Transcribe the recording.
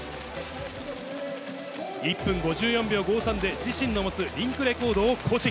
１分５４秒５３で自身の持つリンクレコードを更新。